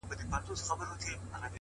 ددې ښكلا-